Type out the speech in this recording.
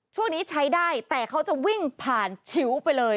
ช่วงนี้ใช้ได้แต่เขาจะวิ่งผ่านชิวไปเลย